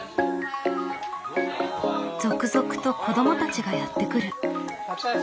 続々と子どもたちがやって来る。